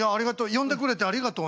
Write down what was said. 呼んでくれてありがとう」。